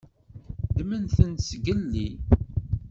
Ddmen-ten zgelli.